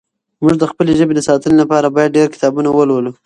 موږ د خپلې ژبې د ساتنې لپاره باید ډېر کتابونه ولولو.